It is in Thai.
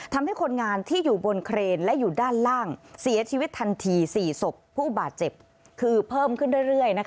ทำให้คนงานที่อยู่บนเครนและอยู่ด้านล่างเสียชีวิตทันที๔ศพผู้บาดเจ็บคือเพิ่มขึ้นเรื่อย